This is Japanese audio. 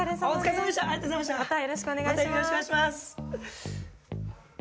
またよろしくお願いします。